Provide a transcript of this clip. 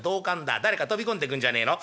誰か飛び込んでくんじゃねえの？」。